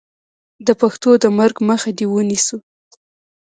د پښتو د مرګ مخه دې ونیسو.